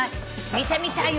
見てみたい狼。